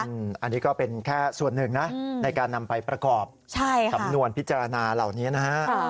อันนี้ก็เป็นแค่ส่วนหนึ่งนะในการนำไปประกอบสำนวนพิจารณาเหล่านี้นะฮะ